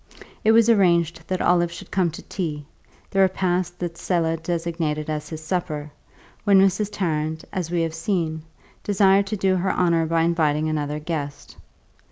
It was arranged that Olive should come to tea (the repast that Selah designated as his supper), when Mrs. Tarrant, as we have seen, desired to do her honour by inviting another guest.